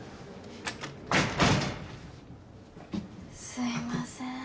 すいません。